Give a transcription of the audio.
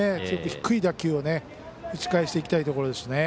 低い打球を打ち返していきたいところですね。